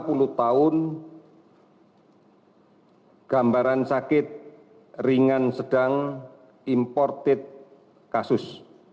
laki laki lima puluh tahun gambaran sakit ringan sedang imported kasus